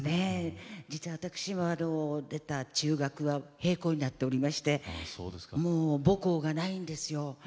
実は私が出た中学は閉校になっておりましてもう母校がないんですよ。